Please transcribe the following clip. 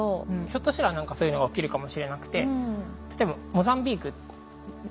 ひょっとしたら何かそういうのが起きるかもしれなくて。